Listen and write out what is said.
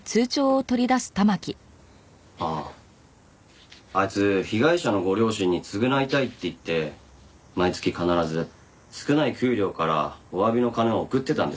あああいつ被害者のご両親に償いたいっていって毎月必ず少ない給料からおわびの金を送ってたんです。